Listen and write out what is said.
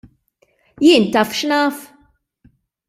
Jien taf x'naf?!